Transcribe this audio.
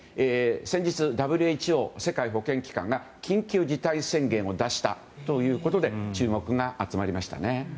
先日、ＷＨＯ・世界保健機関が緊急事態宣言を出したということで注目が集まりましたね。